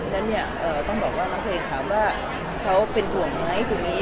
แล้วเนี้ยเอ่อต้องบอกว่าน้องเพลงค่ะเขาเป็นล่วงมั้ยตรงนี้